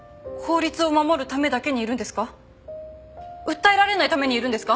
訴えられないためにいるんですか？